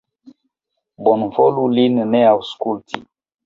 Bonvolu lin ne aŭskulti!